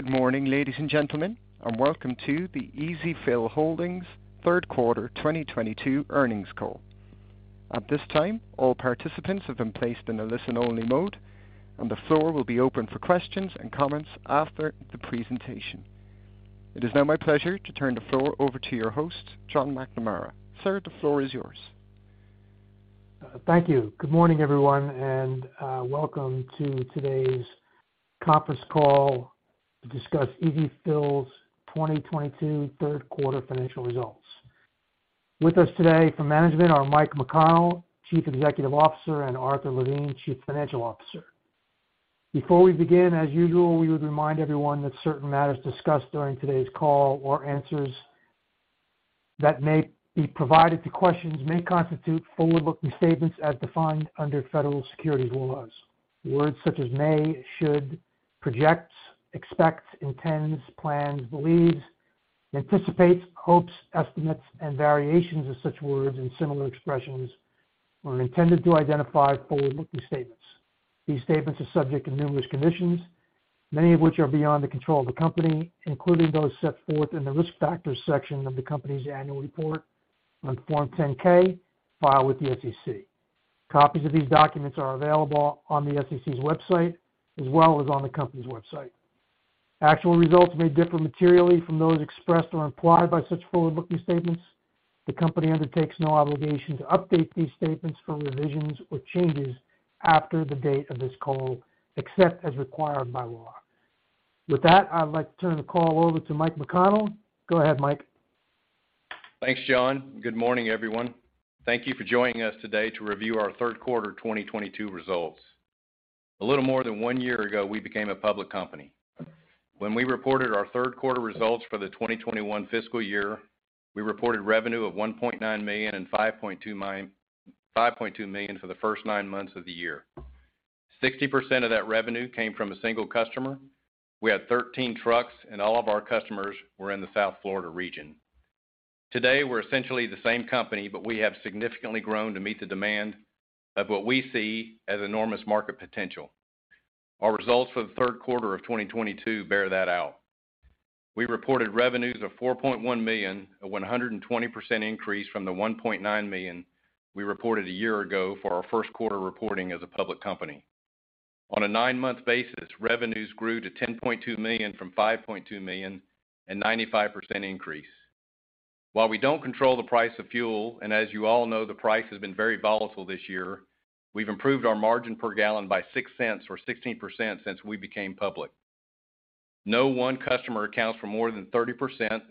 Good morning, ladies and gentlemen, and welcome to the EzFill Holdings third quarter 2022 earnings call. At this time, all participants have been placed in a listen-only mode, and the floor will be open for questions and comments after the presentation. It is now my pleasure to turn the floor over to your host, John McNamara. Sir, the floor is yours. Thank you. Good morning, everyone, and welcome to today's conference call to discuss EzFill's 2022 third quarter financial results. With us today from management are Mike McConnell, Chief Executive Officer, and Arthur Levine, Chief Financial Officer. Before we begin, as usual, we would remind everyone that certain matters discussed during today's call or answers that may be provided to questions may constitute forward-looking statements as defined under federal securities laws. Words such as may, should, projects, expects, intends, plans, believes, anticipates, hopes, estimates, and variations of such words and similar expressions are intended to identify forward-looking statements. These statements are subject to numerous conditions, many of which are beyond the control of the company, including those set forth in the risk factors section of the company's annual report on Form 10-K filed with the SEC. Copies of these documents are available on the SEC's website, as well as on the company's website. Actual results may differ materially from those expressed or implied by such forward-looking statements. The company undertakes no obligation to update these statements for revisions or changes after the date of this call, except as required by law. With that, I'd like to turn the call over to Mike McConnell. Go ahead, Mike. Thanks, John. Good morning, everyone. Thank you for joining us today to review our third quarter 2022 results. A little more than one year ago, we became a public company. When we reported our third quarter results for the 2021 fiscal year, we reported revenue of $1.9 million and $5.2 million for the first nine months of the year. 60% of that revenue came from a single customer. We had 13 trucks, and all of our customers were in the South Florida region. Today, we're essentially the same company, but we have significantly grown to meet the demand of what we see as enormous market potential. Our results for the third quarter of 2022 bear that out. We reported revenues of $4.1 million, a 120% increase from the $1.9 million we reported a year ago for our first quarter reporting as a public company. On a nine-month basis, revenues grew to $10.2 million from $5.2 million, a 95% increase. While we don't control the price of fuel, as you all know, the price has been very volatile this year, we've improved our margin per gallon by $0.06 or 16% since we became public. No one customer accounts for more than 30%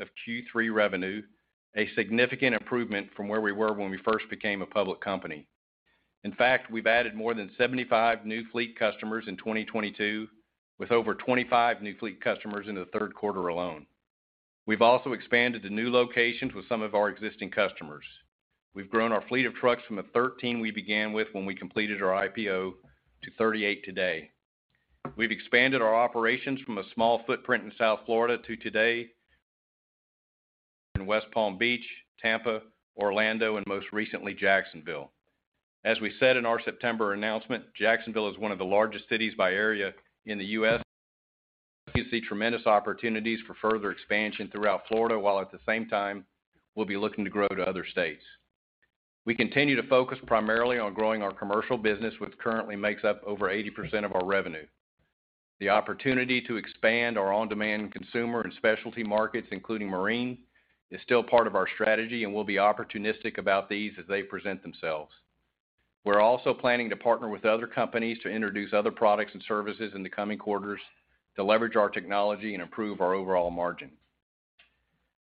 of Q3 revenue, a significant improvement from where we were when we first became a public company. In fact, we've added more than 75 new fleet customers in 2022, with over 25 new fleet customers in the third quarter alone. We've also expanded to new locations with some of our existing customers. We've grown our fleet of trucks from the 13 we began with when we completed our IPO to 38 today. We've expanded our operations from a small footprint in South Florida to today in West Palm Beach, Tampa, Orlando, and most recently, Jacksonville. As we said in our September announcement, Jacksonville is one of the largest cities by area in the U.S. We see tremendous opportunities for further expansion throughout Florida, while at the same time, we'll be looking to grow to other states. We continue to focus primarily on growing our commercial business, which currently makes up over 80% of our revenue. The opportunity to expand our on-demand consumer and specialty markets, including marine, is still part of our strategy, and we'll be opportunistic about these as they present themselves. We're also planning to partner with other companies to introduce other products and services in the coming quarters to leverage our technology and improve our overall margin.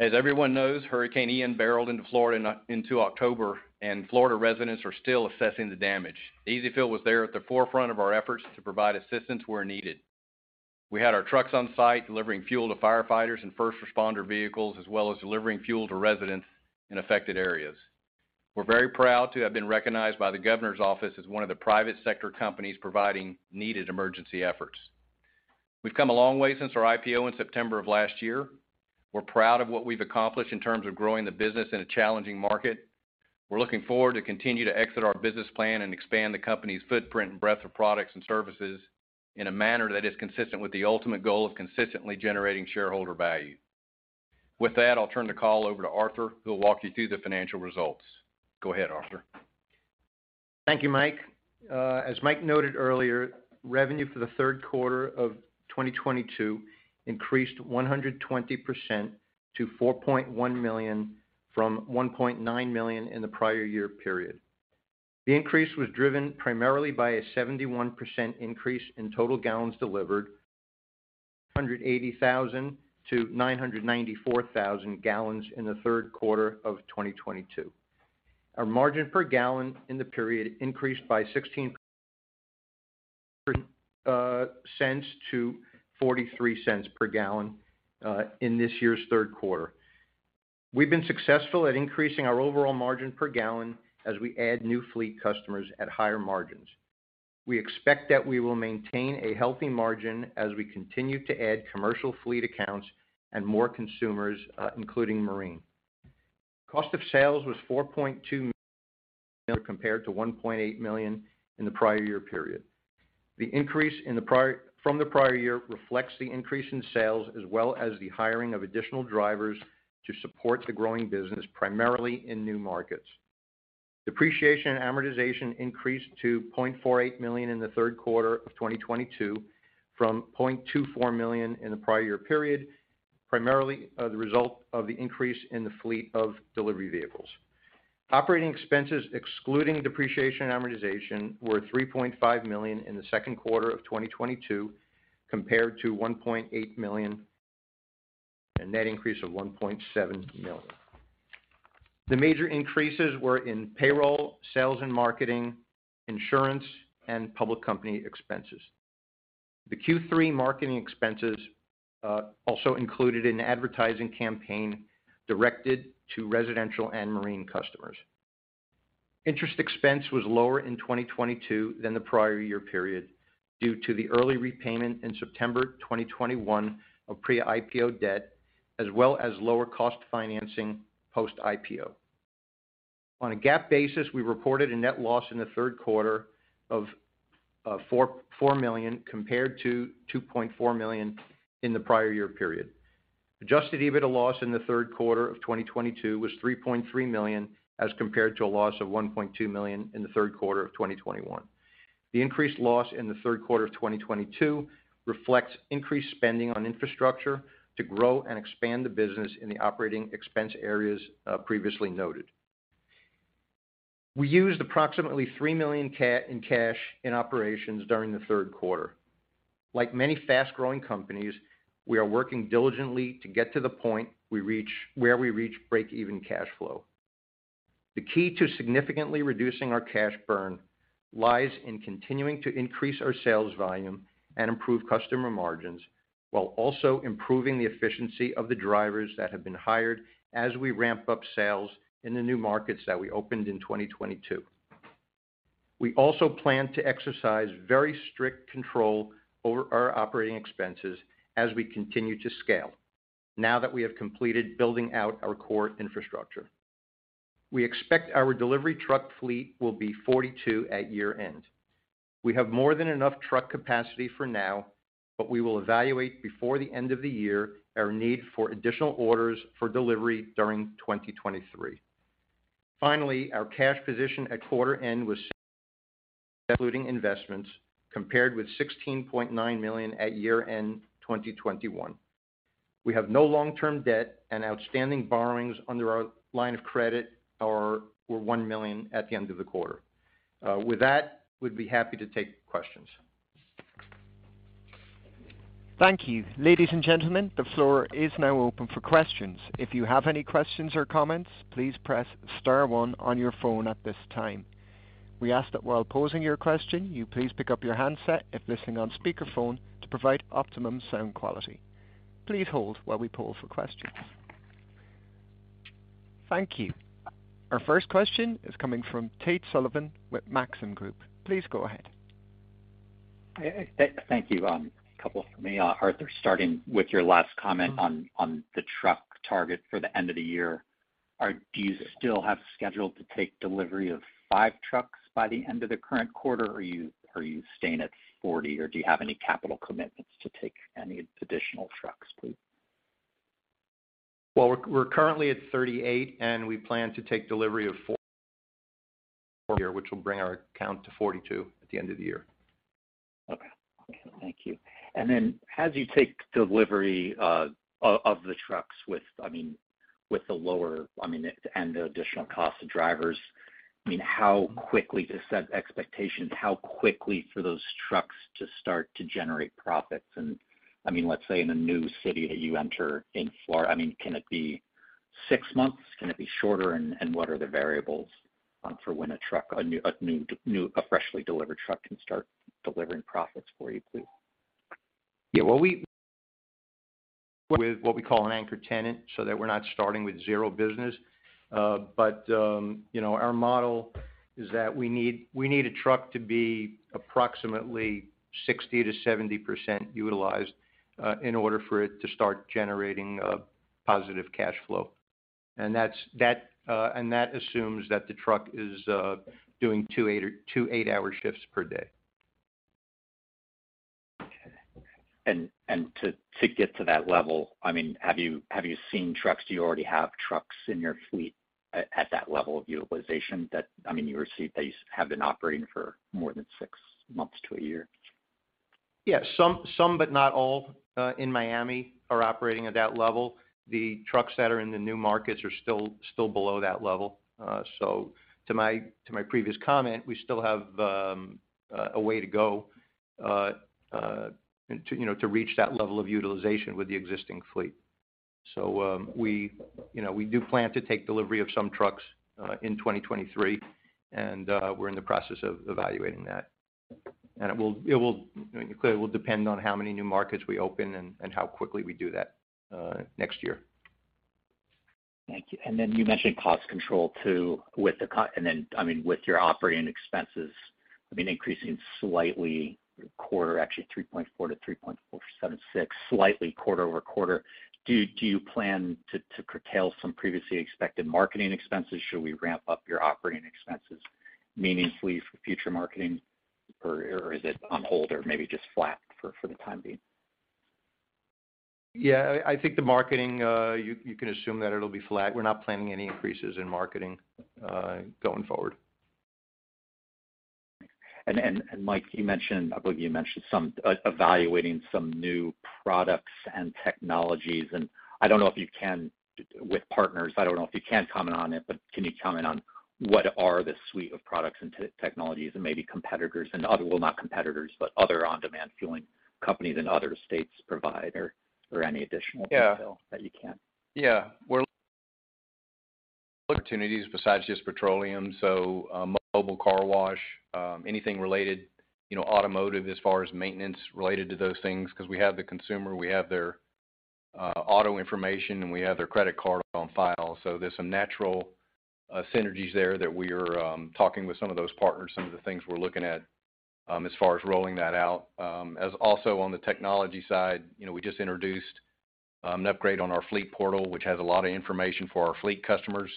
As everyone knows, Hurricane Ian barreled into Florida into October, and Florida residents are still assessing the damage. EzFill was there at the forefront of our efforts to provide assistance where needed. We had our trucks on site delivering fuel to firefighters and first responder vehicles, as well as delivering fuel to residents in affected areas. We're very proud to have been recognized by the governor's office as one of the private sector companies providing needed emergency efforts. We've come a long way since our IPO in September of last year. We're proud of what we've accomplished in terms of growing the business in a challenging market. We're looking forward to continue to exit our business plan and expand the company's footprint and breadth of products and services in a manner that is consistent with the ultimate goal of consistently generating shareholder value. With that, I'll turn the call over to Arthur, who will walk you through the financial results. Go ahead, Arthur. Thank you, Mike. As Mike noted earlier, revenue for the third quarter of 2022 increased 120% to $4.1 million from $1.9 million in the prior year period. The increase was driven primarily by a 71% increase in total gallons delivered, 580,000 to 994,000 gal in the third quarter of 2022. Our margin per gallon in the period increased by $0.16 to $0.43 per gallon in this year's third quarter. We've been successful at increasing our overall margin per gallon as we add new fleet customers at higher margins. We expect that we will maintain a healthy margin as we continue to add commercial fleet accounts and more consumers, including marine. Cost of sales was $4.2 million compared to $1.8 million in the prior year period. The increase from the prior year reflects the increase in sales, as well as the hiring of additional drivers to support the growing business, primarily in new markets. Depreciation and amortization increased to $0.48 million in the third quarter of 2022 from $0.24 million in the prior year period, primarily the result of the increase in the fleet of delivery vehicles. Operating expenses, excluding depreciation and amortization, were $3.5 million in the second quarter of 2022, compared to $1.8 million, a net increase of $1.7 million. The major increases were in payroll, sales and marketing, insurance, and public company expenses. The Q3 marketing expenses also included an advertising campaign directed to residential and marine customers. Interest expense was lower in 2022 than the prior year period due to the early repayment in September 2021 of pre-IPO debt, as well as lower cost financing post-IPO. On a GAAP basis, we reported a net loss in the third quarter of $4 million compared to $2.4 million in the prior year period. Adjusted EBITDA loss in the third quarter of 2022 was $3.3 million as compared to a loss of $1.2 million in the third quarter of 2021. The increased loss in the third quarter of 2022 reflects increased spending on infrastructure to grow and expand the business in the operating expense areas previously noted. We used approximately $3 million in cash in operations during the third quarter. Like many fast-growing companies, we are working diligently to get to the point where we reach break-even cash flow. The key to significantly reducing our cash burn lies in continuing to increase our sales volume and improve customer margins while also improving the efficiency of the drivers that have been hired as we ramp up sales in the new markets that we opened in 2022. We also plan to exercise very strict control over our operating expenses as we continue to scale now that we have completed building out our core infrastructure. We expect our delivery truck fleet will be 42 at year-end. We have more than enough truck capacity for now, but we will evaluate before the end of the year our need for additional orders for delivery during 2023. Finally, our cash position at quarter end was $16.9 million excluding investments, compared with $16.9 million at year-end 2021. We have no long-term debt. Outstanding borrowings under our line of credit were $1 million at the end of the quarter. With that, we'd be happy to take questions. Thank you. Ladies and gentlemen, the floor is now open for questions. If you have any questions or comments, please press star one on your phone at this time. We ask that while posing your question, you please pick up your handset if listening on speakerphone to provide optimum sound quality. Please hold while we poll for questions. Thank you. Our first question is coming from Tate Sullivan with Maxim Group. Please go ahead. Thank you. A couple from me, Arthur, starting with your last comment on the truck target for the end of the year. Do you still have scheduled to take delivery of five trucks by the end of the current quarter, or are you staying at 40, or do you have any capital commitments to take any additional trucks, please? Well, we're currently at 38. We plan to take delivery of four here, which will bring our count to 42 at the end of the year. Okay. Thank you. As you take delivery of the trucks with the lower and the additional cost of drivers, how quickly to set expectations, how quickly for those trucks to start to generate profits? Let's say in a new city that you enter in Florida, can it be six months? Can it be shorter? What are the variables for when a freshly delivered truck can start delivering profits for you, please? Yeah. Well, we with what we call an anchor tenant so that we're not starting with zero business. Our model is that we need a truck to be approximately 60%-70% utilized in order for it to start generating a positive cash flow. That assumes that the truck is doing two eight-hour shifts per day. Okay. To get to that level, have you seen trucks? Do you already have trucks in your fleet at that level of utilization that you received that you have been operating for more than six months to a year? Yeah. Some but not all in Miami are operating at that level. The trucks that are in the new markets are still below that level. To my previous comment, we still have a way to go to reach that level of utilization with the existing fleet. We do plan to take delivery of some trucks in 2023, and we're in the process of evaluating that. Clearly, it will depend on how many new markets we open and how quickly we do that next year. Thank you. Then you mentioned cost control, too, with your operating expenses. I mean, increasing slightly quarter, actually 3.4-3.476, slightly quarter-over-quarter. Do you plan to curtail some previously expected marketing expenses? Should we ramp up your operating expenses meaningfully for future marketing or is it on hold or maybe just flat for the time being? Yeah, I think the marketing, you can assume that it'll be flat. We're not planning any increases in marketing, going forward. Mike, I believe you mentioned evaluating some new products and technologies, I don't know if you can with partners, I don't know if you can comment on it, but can you comment on what are the suite of products and technologies and maybe competitors and other Well, not competitors, but other on-demand fueling companies in other states provide or any additional detail- Yeah that you can. Yeah. We're opportunities besides just petroleum. Mobile car wash, anything related, automotive as far as maintenance related to those things, because we have the consumer, we have their auto information, and we have their credit card on file. There's some natural synergies there that we are talking with some of those partners, some of the things we're looking at as far as rolling that out. Also on the technology side, we just introduced an upgrade on our EzFleet portal, which has a lot of information for our fleet customers,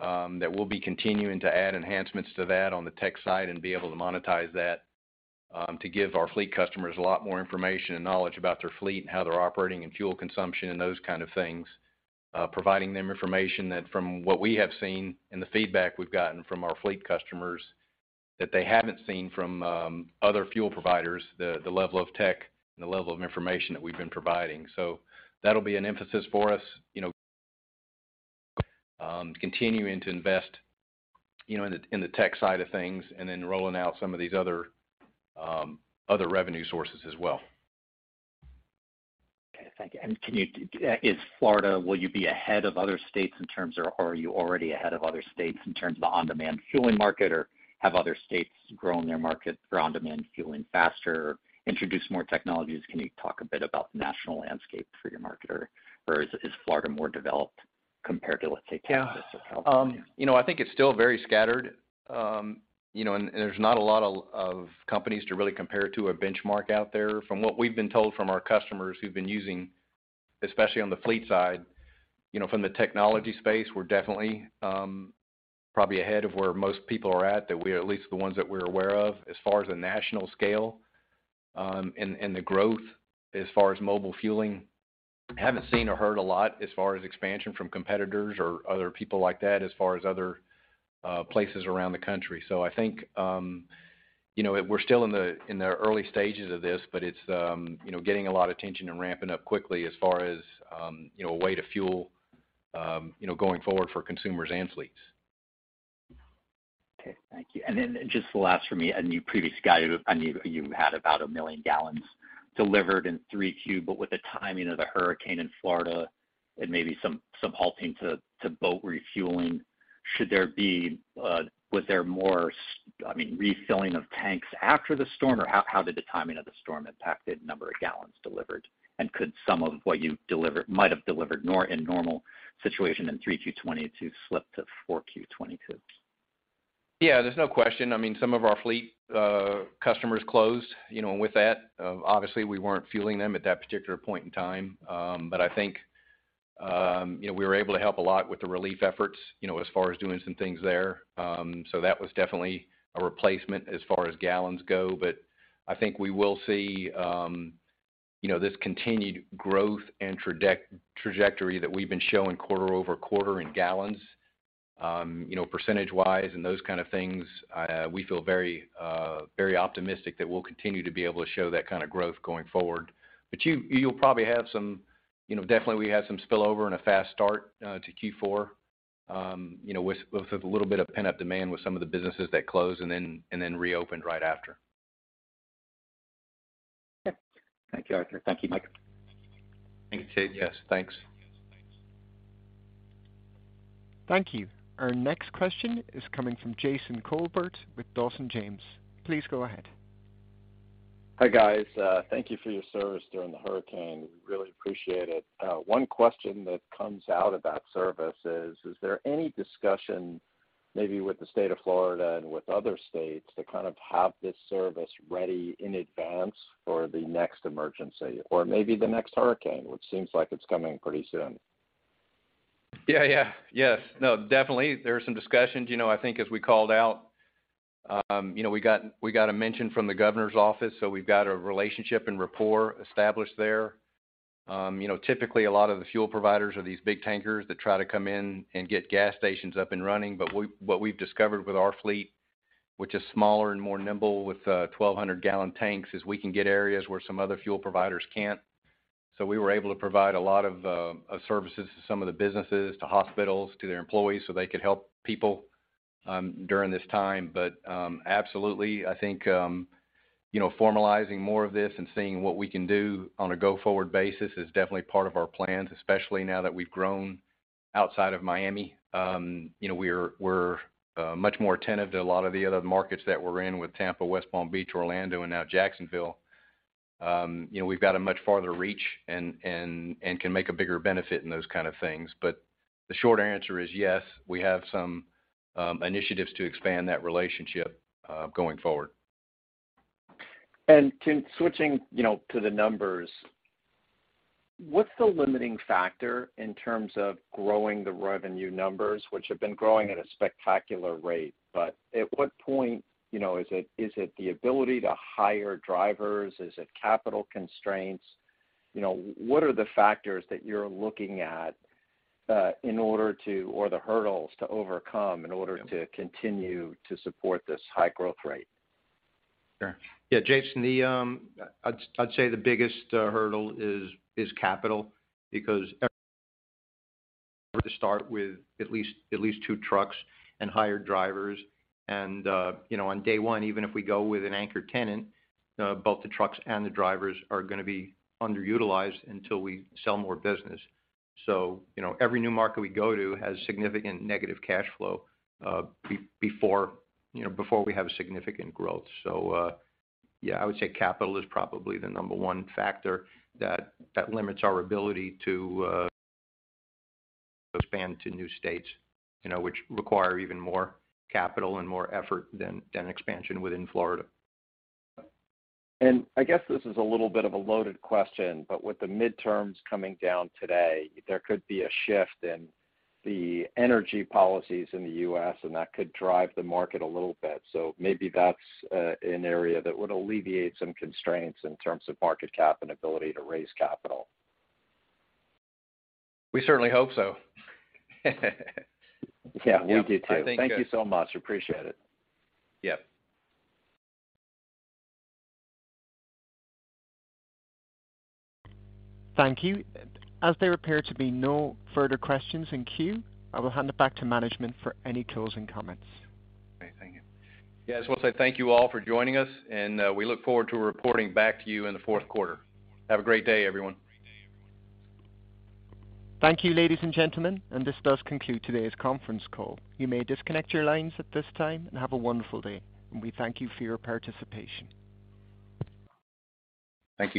that we'll be continuing to add enhancements to that on the tech side and be able to monetize that, to give our fleet customers a lot more information and knowledge about their fleet and how they're operating and fuel consumption and those kind of things. Providing them information that from what we have seen and the feedback we've gotten from our fleet customers, that they haven't seen from other fuel providers, the level of tech and the level of information that we've been providing. That'll be an emphasis for us, continuing to invest in the tech side of things and then rolling out some of these other revenue sources as well. Okay, thank you. Is Florida, will you be ahead of other states in terms or are you already ahead of other states in terms of the on-demand fueling market or have other states grown their market for on-demand fueling faster, introduced more technologies? Can you talk a bit about the national landscape for your market, or is Florida more developed compared to, let's say, Texas or California? I think it's still very scattered. There's not a lot of companies to really compare to or benchmark out there. From what we've been told from our customers who've been using, especially on the fleet side, from the technology space, we're definitely probably ahead of where most people are at least the ones that we're aware of as far as the national scale. The growth as far as mobile fueling, haven't seen or heard a lot as far as expansion from competitors or other people like that as far as other places around the country. I think we're still in the early stages of this, but it's getting a lot of attention and ramping up quickly as far as a way to fuel, going forward for consumers and fleets. Okay, thank you. Just the last from me. You previously guided, you had about 1 million gallons delivered in 3Q, but with the timing of the hurricane in Florida and maybe some halting to boat refueling, was there more refilling of tanks after the storm, or how did the timing of the storm impact the number of gallons delivered? Could some of what you might have delivered in normal situation in 3Q 2022 slip to 4Q 2022? There's no question. Some of our fleet customers closed with that. Obviously, we weren't fueling them at that particular point in time. I think we were able to help a lot with the relief efforts as far as doing some things there. That was definitely a replacement as far as gallons go. I think we will see this continued growth and trajectory that we've been showing quarter-over-quarter in gallons. Percentage-wise and those kind of things, we feel very optimistic that we'll continue to be able to show that kind of growth going forward. You'll probably have some. Definitely we had some spillover and a fast start to Q4 with a little bit of pent-up demand with some of the businesses that closed and then reopened right after. Okay. Thank you, Arthur. Thank you, Mike. Thank you, Tate. Thanks. Thank you. Our next question is coming from Jason Kolbert with Dawson James. Please go ahead. Hi, guys. Thank you for your service during Hurricane Ian. We really appreciate it. One question that comes out about service is there any discussion maybe with the State of Florida and with other states to kind of have this service ready in advance for the next emergency or maybe the next hurricane, which seems like it's coming pretty soon? Yeah. No, definitely. There are some discussions. I think as we called out, we got a mention from the governor's office, we've got a relationship and rapport established there. Typically, a lot of the fuel providers are these big tankers that try to come in and get gas stations up and running. What we've discovered with our fleet, which is smaller and more nimble with 1,200 gal tanks, is we can get areas where some other fuel providers can't. We were able to provide a lot of services to some of the businesses, to hospitals, to their employees, they could help people during this time. Absolutely, I think formalizing more of this and seeing what we can do on a go-forward basis is definitely part of our plans, especially now that we've grown outside of Miami. We're much more attentive to a lot of the other markets that we're in with Tampa, West Palm Beach, Orlando, and now Jacksonville. We've got a much farther reach and can make a bigger benefit in those kind of things. The short answer is yes, we have some initiatives to expand that relationship going forward. Switching to the numbers, what's the limiting factor in terms of growing the revenue numbers, which have been growing at a spectacular rate, but at what point? Is it the ability to hire drivers? Is it capital constraints? What are the factors that you're looking at in order to, or the hurdles to overcome in order to continue to support this high growth rate? Sure. Yeah, Jason, I'd say the biggest hurdle is capital, because to start with at least two trucks and hire drivers. On day one, even if we go with an anchor tenant, both the trucks and the drivers are going to be underutilized until we sell more business. Every new market we go to has significant negative cash flow before we have significant growth. Yeah, I would say capital is probably the number one factor that limits our ability to expand to new states, which require even more capital and more effort than expansion within Florida. I guess this is a little bit of a loaded question, with the midterms coming down today, there could be a shift in the energy policies in the U.S., and that could drive the market a little bit. Maybe that's an area that would alleviate some constraints in terms of market cap and ability to raise capital. We certainly hope so. Yeah, we do too. Thank you so much. Appreciate it. Yep. Thank you. As there appear to be no further questions in queue, I will hand it back to management for any closing comments. Okay, thank you. Yes, I want to say thank you all for joining us, and we look forward to reporting back to you in the fourth quarter. Have a great day, everyone. Thank you, ladies and gentlemen. This does conclude today's conference call. You may disconnect your lines at this time and have a wonderful day. We thank you for your participation. Thank you.